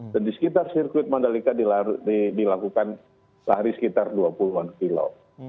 dan di sekitar sirkuit mandalika dilakukan lari sekitar dua puluh an kilo